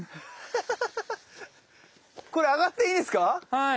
はい。